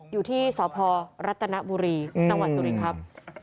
อยู่ที่สพรัฐนบุรีจังหวัดสุรินครับ